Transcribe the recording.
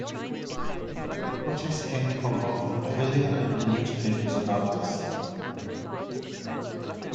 Protests came from both the Pavilion and in newspapers about this.